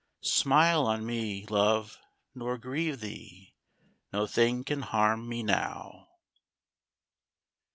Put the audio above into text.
Smile on me, love, nor grieve thee! No thing can harm me now!